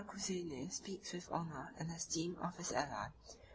Cantacuzene speaks with honor and esteem of his ally, (l.